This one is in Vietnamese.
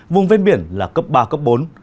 vùng ven biển là cấp ba cấp bốn